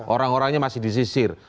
orang orangnya masih disisir